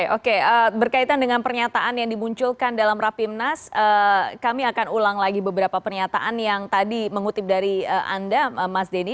oke berkaitan dengan pernyataan yang dimunculkan dalam rapimnas kami akan ulang lagi beberapa pernyataan yang tadi mengutip dari anda mas denny